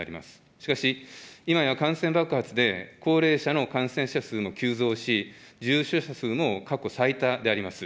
しかし、今や感染爆発で、高齢者の感染者数も急増し、重症者数も過去最多であります。